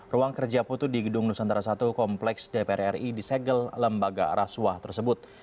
ruang kerja putu di gedung nusantara i kompleks dpr ri disegel lembaga rasuah tersebut